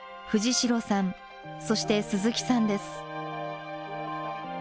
藤城さんそして鈴木さんです。